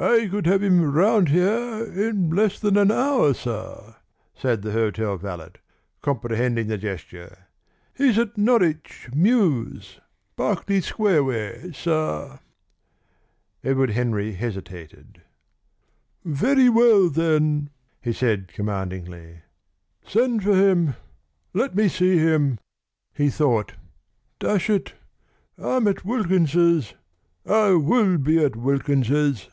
"I could have him round here in less than an hour, sir," said the hotel valet, comprehending the gesture. "He's at Norwich Mews Berkeley Square way, sir." Edward Henry hesitated. "Very well, then!" he said commandingly. "Send for him. Let me see him." He thought: "Dash it! I'm at Wilkins's I'll be at Wilkins's!"